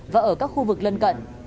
và ở các khu vực lân cận